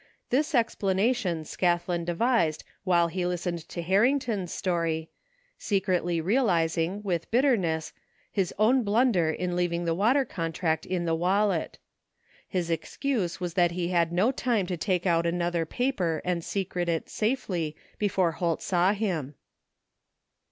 This explanation Scathlin devised while he listened to Har rington's story, secretly realizing, with bitterness, his own blunder in leaving the water contract in the wallet. His excuse was that he had no time to take out another paper and secrete it safely before Holt saw him.